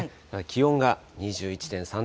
気温が２１．３度。